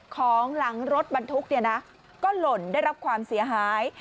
ของหลังรถบรรทุกเนี่ยนะก็หล่นได้รับความเสียหาย